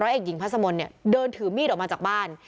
เอกหญิงพัสมนต์เนี่ยเดินถือมีดออกมาจากบ้าน